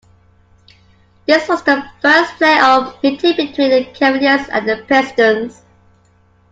This was the first playoff meeting between the Cavaliers and the Pistons.